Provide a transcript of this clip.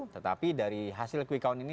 tetapi dari hasil quick count ini